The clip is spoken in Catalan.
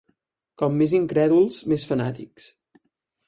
Com més incrèduls, més fanàtics.